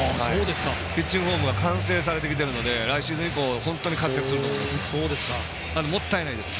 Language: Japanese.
ピッチングフォームが完成されてきているので来シーズン以降本当に活躍すると思います。